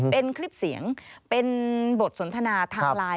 เป็นคลิปเสียงเป็นบทสนทนาทางไลน์